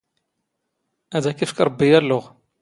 ⴰⴷ ⴰⴽ ⵉⴼⴽ ⵕⴱⴱⵉ ⴰⵍⵍⵓⵖ.